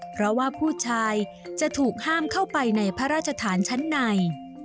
เพราะว่าผู้ชายจะถูกห้ามเข้าไปในพระราชฐานชั้นใน